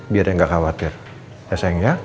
biar dia ga khawatir ya sayang ya